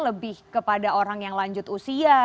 lebih kepada orang yang lanjut usia